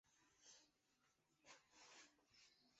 联合银行的营业网点主要分布在杭州市各地。